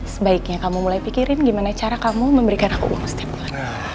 sebaiknya kamu mulai pikirin gimana cara kamu memberikan aku uang setiap bulan